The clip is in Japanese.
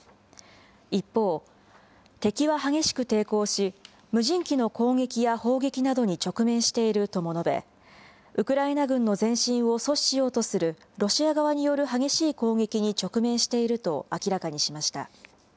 一方、敵は激しく抵抗し、無人機の攻撃や砲撃などに直面しているとも述べ、ウクライナ軍の前進を阻止しようとするロシア側による激しい攻撃に直面していると明らかにしました。